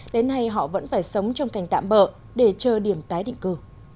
đến nay họ vẫn phải sống trong cành tạm bỡ để chờ điểm tái định cư